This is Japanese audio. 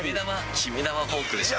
決め球、フォークでしょ。